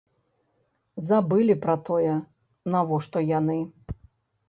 Забылі пра тое, навошта яны.